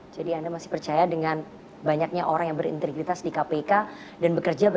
jadi anda masih percaya dengan banyaknya orang yang berintegritas di kpk dan bekerja berdasarkan bukti dan fakta ya